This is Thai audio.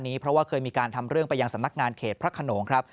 เพราะว่าเคยมีการทำเรื่องไปยังสำนักงานเขตพระขนงครับ